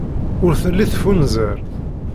Ur telli teffunzer.